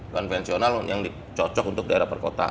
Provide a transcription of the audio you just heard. konvensional yang dicocok untuk daerah perkotaan atau